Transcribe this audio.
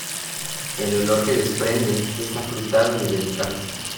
El olor que desprende es afrutado y delicado.